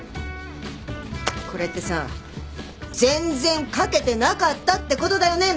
これってさ全然書けてなかったってことだよね？